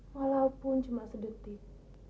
walaupun cuma sedetik